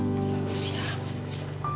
ada deadline nih udah diada